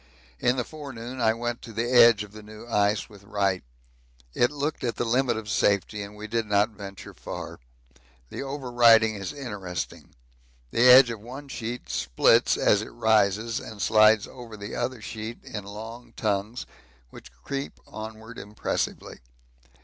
In the forenoon I went to the edge of the new ice with Wright. It looked at the limit of safety and we did not venture far. The over riding is interesting: the edge of one sheet splits as it rises and slides over the other sheet in long tongues which creep onward impressively.